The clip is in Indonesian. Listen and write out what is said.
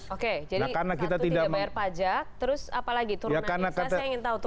oke jadi satu tidak bayar pajak terus apa lagi